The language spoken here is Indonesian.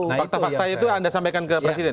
fakta fakta itu anda sampaikan ke presiden